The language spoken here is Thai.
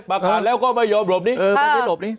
มาขาดแล้วก็ไม่ยอมหลบนี้